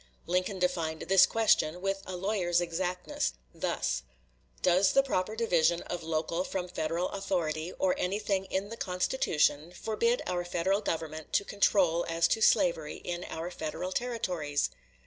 Lincoln defined "this question," with a lawyer's exactness, thus: Does the proper division of local from Federal authority, or anything in the Constitution, forbid our Federal Government to control as to slavery in our Federal Territories?